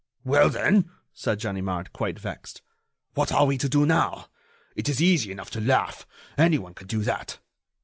"Well, then," said Ganimard, quite vexed, "what are we to do now? It is easy enough to laugh! Anyone can do that."